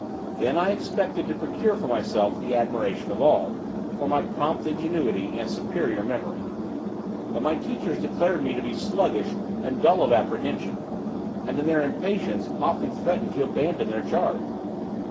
Then I expected to procure for myself the admiration of all, for my prompt ingenuity and superior memory. But my teachers declared me to be sluggish and dull of apprehension, and in their impatience often threatened to abandon their charge.